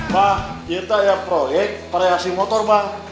ma kita ya proyek variasi motor ma